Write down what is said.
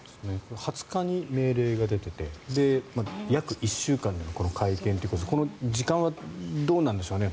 ２０日に命令が出てて約１週間でこの会見というかこの時間はどうなんでしょうね